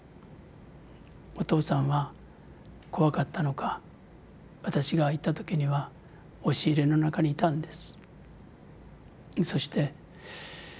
お父さんは怖かったのか私が行った時には押し入れの中にいたんです。